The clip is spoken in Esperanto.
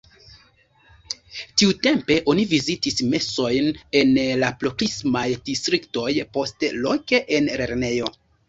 Tiutempe oni vizitis mesojn en la proksimaj distriktoj, poste loke en lernejo.